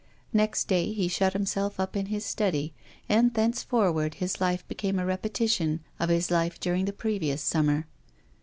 Next day he shut himself up in his study, and thenceforward his life became a repetition of his life during the previous summer.